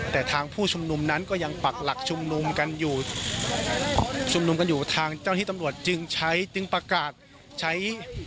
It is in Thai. แต่ทางผู้ชุมนุมนั้นก็ยังปักหลักชุมนุมกันอยู่ชุมนุมกันอยู่ทางเจ้าหน้าที่ตำรวจจึงใช้จึงประกาศใช้